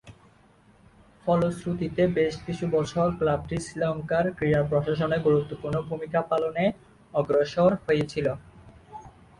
ফলশ্রুতিতে, বেশকিছু বছর ক্লাবটি শ্রীলঙ্কার ক্রীড়া প্রশাসনে গুরুত্বপূর্ণ ভূমিকা পালনে অগ্রসর হয়েছিল।